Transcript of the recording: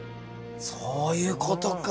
そういうことか。